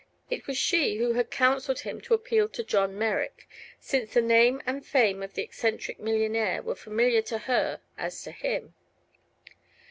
It was she who had counseled him to appeal to John Merrick, since the name and fame of the eccentric millionaire were familiar to her as to him.